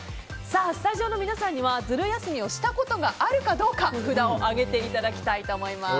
スタジオの皆さんにはズル休みをしたことがあるか札を上げていただきたいと思います。